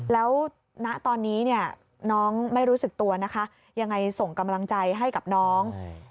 แล้วณตอนนี้เนี่ยน้องไม่รู้สึกตัวนะคะยังไงส่งกำลังใจให้กับน้อง